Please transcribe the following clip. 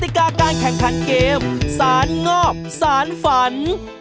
ติกาการแข่งขันเกมสารงอกสารฝัน